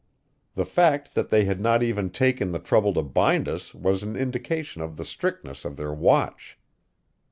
The fact that they had not even taken the trouble to bind us was an indication of the strictness of their watch.